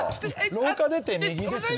廊下出て右ですね。